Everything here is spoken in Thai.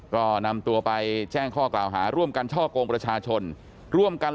ก็นำตัวไปแจ้งข้อกล่าวหาร่วมกันช่อกงประชาชนร่วมกัน